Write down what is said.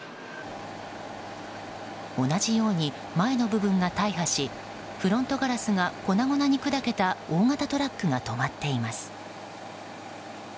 同じように前の部分が大破しフロントガラスが粉々に砕けた大型トラックが止まっています。